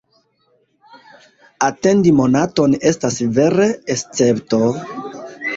Atendi monaton estas vere escepto!